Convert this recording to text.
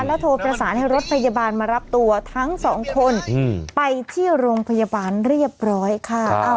แล้วโทรประสานให้รถพยาบาลมารับตัวทั้งสองคนไปที่โรงพยาบาลเรียบร้อยค่ะ